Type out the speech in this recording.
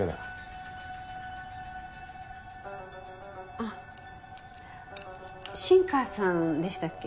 あ新川さんでしたっけ？